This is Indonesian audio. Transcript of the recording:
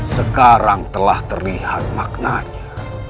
sekarang telah terlihat maknanya